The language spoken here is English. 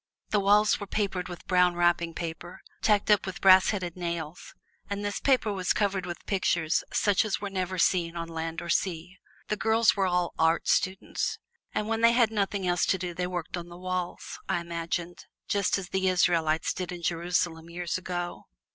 The walls were papered with brown wrapping paper, tacked up with brass headed nails, and this paper was covered with pictures such as were never seen on sea or land. The girls were all art students, and when they had nothing else to do they worked on the walls, I imagined, just as the Israelites did in Jerusalem years ago.